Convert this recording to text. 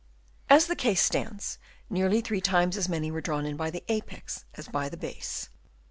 As the case stands, nearly three times as many were drawn in by the apex as by the base.